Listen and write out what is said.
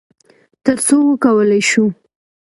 تر څو وکولی شو،